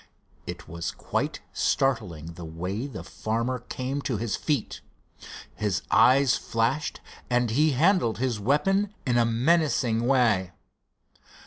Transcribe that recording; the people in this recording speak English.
It was quite startling the way the farmer came to his feet. His eyes flashed and he handled his weapon in a menacing way.